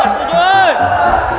kasih tujuan ya